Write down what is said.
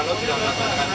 kita juga lakukan